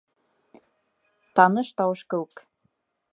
Таныш тауыш кеүек.